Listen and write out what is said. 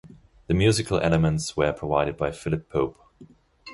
The musical elements were provided by Philip Pope.